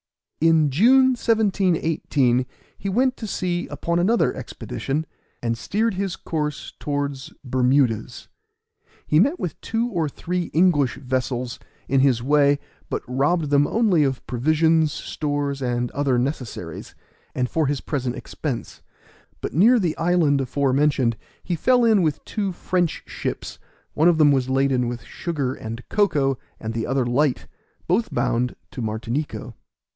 In June, 1718, he went to sea upon another expedition, and steered his course towards Bermudas. He met with two or three English vessels in his way, but robbed them only of provisions, stores, and other necessaries, for his present expense; but near the island before mentioned, he fell in with two French ships, one of them was laden with sugar and cocoa, and the other light, both bound to Martinico.